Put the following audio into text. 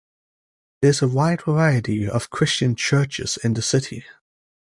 There is a wide variety of Christian churches in the city.